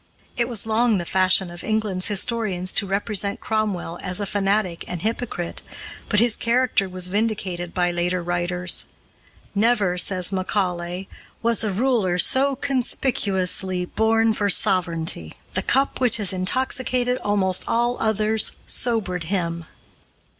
It was long the fashion of England's historians to represent Cromwell as a fanatic and hypocrite, but his character was vindicated by later writers. "Never," says Macaulay, "was a ruler so conspicuously born for sovereignty. The cup which has intoxicated almost all others sobered him."